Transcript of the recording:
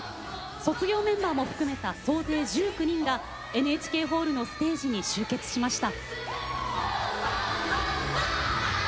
卒業メンバーも含めた総勢１９人がＮＨＫホールのステージに集結しました。